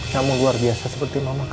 kamu luar biasa seperti mama kamu